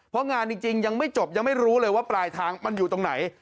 เพราะงานจริงยังไม่จบยังไม่รู้เลยว่าปลายทางมันอยู่ตรงไหน